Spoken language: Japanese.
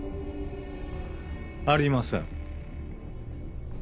ありません